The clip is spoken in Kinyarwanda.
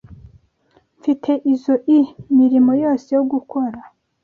Mfite izoi mirimo yose yo gukora.